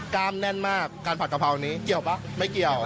กล้ามแน่นมากการผัดกะเพราอันนี้